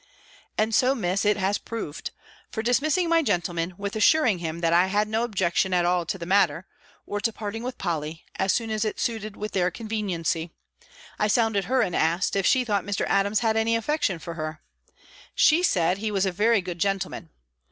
And so, Miss, it has proved For, dismissing my gentleman, with assuring him, that I had no objection at all to the matter, or to parting with Polly, as soon as it suited with their conveniency I sounded her, and asked, if she thought Mr. Adams had any affection for her? She said he was a very good gentleman.